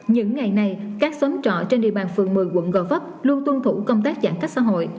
những ngày này các xóm trọ trên địa bàn phường một mươi quận gò vấp luôn tuân thủ công tác giãn cách xã hội